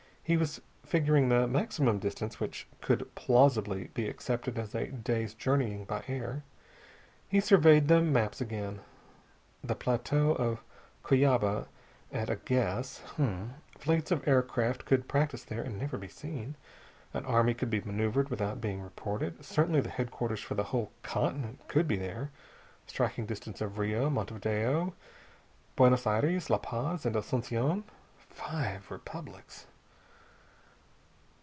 He was figuring the maximum distance which could plausibly be accepted as a day's journeying by air. He surveyed the maps again. "The plateau of Cuyaba, at a guess. Hm.... Fleets of aircraft could practise there and never be seen. An army could be maneuvered without being reported. Certainly the headquarters for the whole continent could be there. Striking distance of Rio, Montevideo, Buenos Aires, La Paz, and Asunción. Five republics."